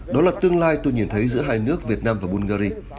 đó là tương lai tôi nhìn thấy giữa hai nước việt nam và bungary